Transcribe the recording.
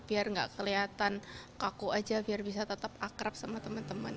biar nggak kelihatan kaku aja biar bisa tetap akrab sama teman teman